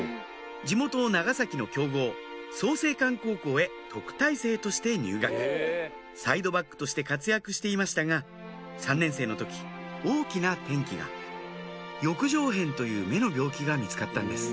地元長崎の強豪創成館高校へ特待生として入学サイドバックとして活躍していましたが３年生の時大きな転機が翼状片という目の病気が見つかったんです